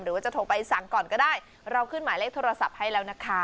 หรือว่าจะโทรไปสั่งก่อนก็ได้เราขึ้นหมายเลขโทรศัพท์ให้แล้วนะคะ